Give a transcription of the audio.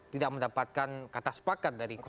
tidak mendapatkan kata sepakat dari